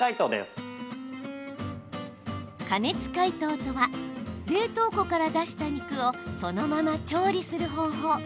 加熱解凍とは冷凍庫から出した肉をそのまま調理する方法。